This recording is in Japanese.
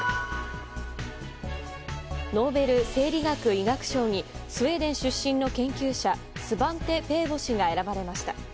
ノーベル生理学・医学賞にスウェーデン出身の研究者スバンテ・ペーボ氏が選ばれました。